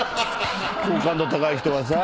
好感度高い人はさ。